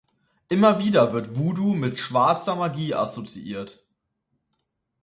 Immer wieder wird Voodoo mit schwarzer Magie assoziiert.